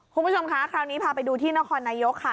คุณผู้ชมคะคราวนี้พาไปดูที่นครนายกค่ะ